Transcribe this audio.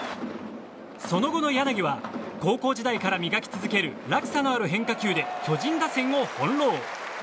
その後の柳は高校時代から磨き続ける落差のある変化球で巨人打線を翻弄。